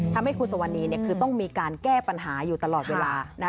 ทำให้คุณสุวรรณีคือต้องมีการแก้ปัญหาอยู่ตลอดเวลา